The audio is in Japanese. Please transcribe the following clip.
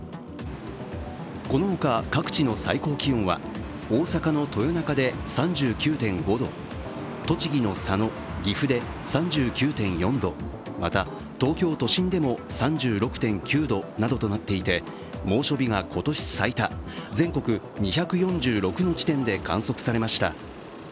このほか各地の最高気温は大阪の豊中で３９．５度、栃木の佐野、岐阜で３９．４度、また、東京都心でも３６．９度などとなっていて猛暑日が今年最多、全国２４６の地点で観測されました。